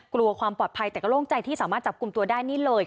กลัวความปลอดภัยแต่ก็โล่งใจที่สามารถจับกลุ่มตัวได้นี่เลย